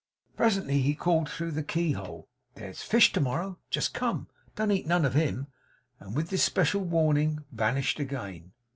Presently he called through the key hole: 'There's a fish to morrow. Just come. Don't eat none of him!' And, with this special warning, vanished again.